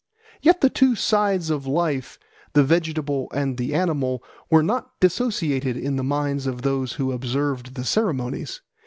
Yet the two sides of life, the vegetable and the animal, were not dissociated in the minds of those who observed the ceremonies.